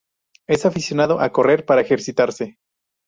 Es aficionado a correr para ejercitarse.